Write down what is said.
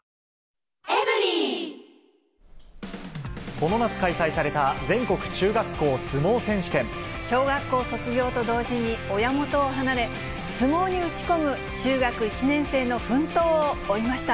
この夏開催された全国中学校小学校卒業と同時に、親元を離れ、相撲に打ち込む中学１年生の奮闘を追いました。